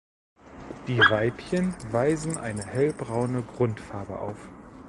Die Weibchen weisen eine hellbraune Grundfarbe auf.